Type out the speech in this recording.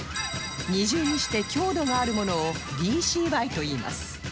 ２重にして強度のあるものを ＤＣＹ といいます